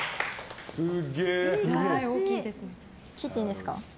切っていいですか？